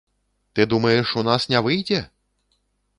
Ты думаеш, у нас не выйдзе?